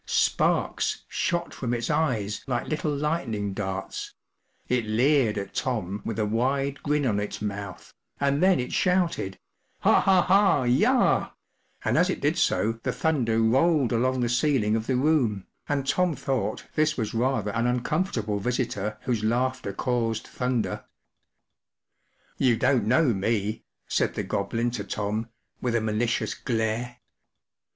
Sparks shot from its eyes like little lightning darts; it leered at Tom with a wide grin on its mouth, and then it shouted 41 Ha, ha, ha, yah !” and as it did so the thunder rolled along the ceiling of the room, and Tom thought this was rather an uncomfortable visitor whose laughter caused thunder, “ You don’t know me/’ said the Goblin to Tom, with a malicious glare.